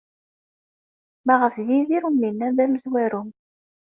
Maɣef d Yidir umi nnan d amezwaru?